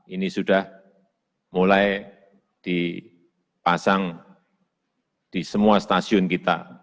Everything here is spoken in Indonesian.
ini sudah mulai dipasang di semua stasiun kita